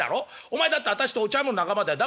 お前だって私とお茶飲む仲間だよ？